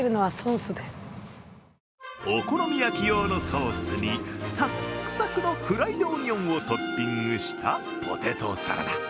お好み焼き用のソースにサックサクのフライドオニオンをトッピングしたポテトサラダ。